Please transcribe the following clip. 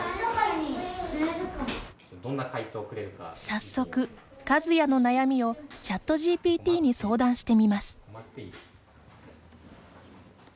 早速、かずやの悩みをＣｈａｔＧＰＴに相談してみます。